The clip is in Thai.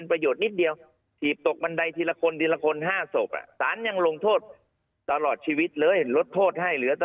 นั่นมีบางเรื่องคนนั้นที่เป็นประโยชนนิดเดียว